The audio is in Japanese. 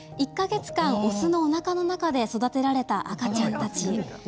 １か月間、雄のおなかの中で育てられた赤ちゃんたち。